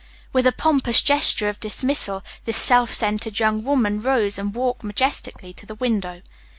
With a pompous gesture of dismissal this self centered young woman rose and walked majestically to the window.